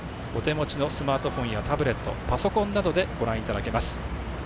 お手持ちのスマートフォンやタブレットパソコンなどでご覧いただけます。